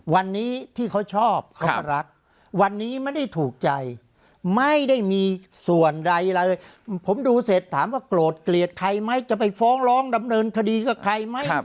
วันนี้ที่เขาชอบเขาก็รักวันนี้ไม่ได้ถูกใจไม่ได้มีส่วนใดอะไรผมดูเสร็จถามว่าโกรธเกลียดใครไหมจะไปฟ้องร้องดำเนินคดีกับใครไหม